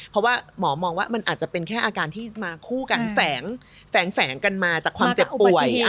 เพราะว่าหมอมองว่ามันอาจจะเป็นแค่อาการที่มาคู่กันแฝงกันมาจากความเจ็บป่วย